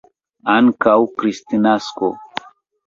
Antaŭ Kristnasko.